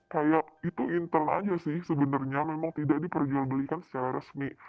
kayak itu intern aja sih sebenarnya memang tidak diperjualbelikan secara resmi